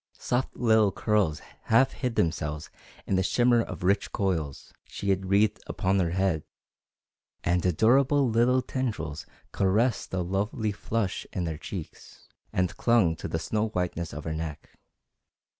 Soft little curls half hid themselves in the shimmer of rich coils she had wreathed upon her head, and adorable little tendrils caressed the lovely flush in her cheeks, and clung to the snow whiteness of her neck.